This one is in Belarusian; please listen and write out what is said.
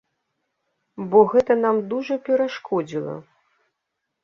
Бо гэта нам дужа перашкодзіла.